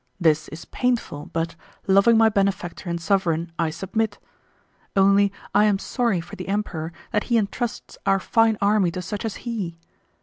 This is painful, but, loving my benefactor and sovereign, I submit. Only I am sorry for the Emperor that he entrusts our fine army to such as he.